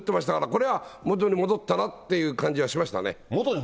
あれで元に戻ったなという感じがしましたね。